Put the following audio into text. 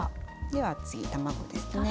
では次卵ですね。